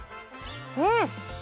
うん！